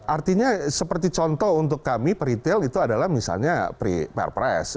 artinya seperti contoh untuk kami per retail itu adalah misalnya perpres